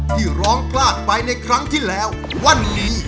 ที่ร้องพลาดไปในครั้งที่แล้ววันนี้